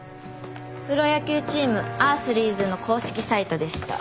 プロ野球チームアースリーズの公式サイトでした。